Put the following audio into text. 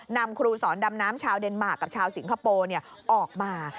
นำครูสอนดำน้ำชาวเดนมาร์กับชาวสิงคโปร์ออกมา